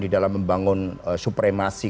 di dalam membangun supremasi